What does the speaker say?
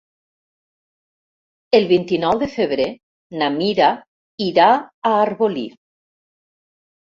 El vint-i-nou de febrer na Mira irà a Arbolí.